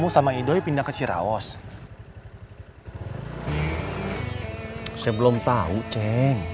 saya belum tahu ceng